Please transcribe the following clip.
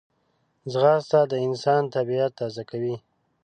ځغاسته د انسان طبیعت تازه کوي